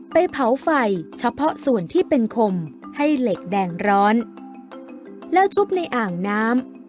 ไปเผาไฟเฉพาะส่วนที่เป็นคมให้เหล็กแดงร้อนแล้วทุบในอ่างน้ำ